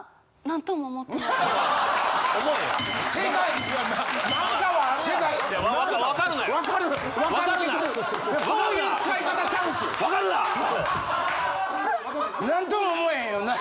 何とも思えへんよな。